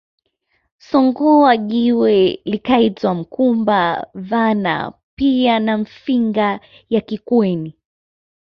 Songoa jiwe likaitwa mkumba vana pia na Mfinga ya Kikweni